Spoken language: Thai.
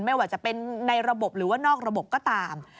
ไม่ว่าจะเป็นในระบบหรือว่านอกระบบก็ตาม